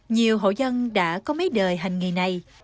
nhiều hộ dân đã có mấy đời hành nghề này